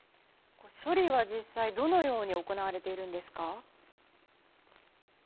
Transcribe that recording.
処理は実際どのように行われているんですか？